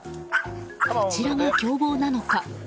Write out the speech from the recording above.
こちらが凶暴なのか。